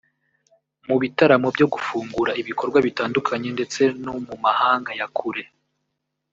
mu bitaramo byo gufungura ibikorwa bitandukanye ndetse no mu mahanga ya kure